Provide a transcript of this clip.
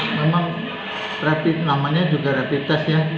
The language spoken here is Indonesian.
jadi memang rapi namanya juga rapi tes